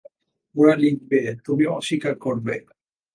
ওরা লিখবে, তুমি অস্বীকার করবে।